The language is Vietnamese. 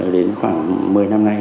đến khoảng một mươi năm nay